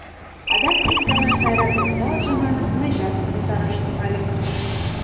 Адак ик гана сайрак ӧндалже манын, мыйжат умылтараш тӱҥальым.